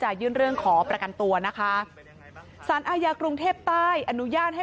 ยื่นเรื่องขอประกันตัวนะคะสารอาญากรุงเทพใต้อนุญาตให้